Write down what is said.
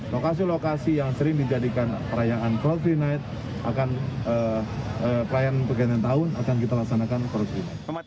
lokasi lokasi yang sering dijadikan perayaan crowd free night perayaan pergatan tahun akan kita laksanakan crowd free night